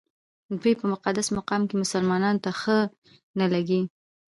دوی په مقدس مقام کې مسلمانانو ته ښه نه لګېږي.